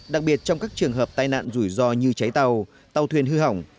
đặc biệt trong các trường hợp tai nạn rủi ro như cháy tàu tàu thuyền hư hỏng